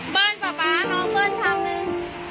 เปิ้ลป่ะป๊าน้องเปิ้ลทำเลย